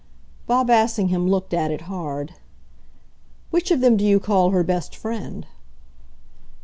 Bob Assingham looked at it hard. "Which of them do you call her best friend?"